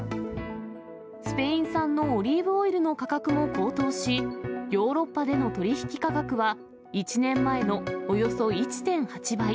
スペイン産のオリーブオイルの価格も高騰し、ヨーロッパでの取り引き価格は１年前のおよそ１．８倍。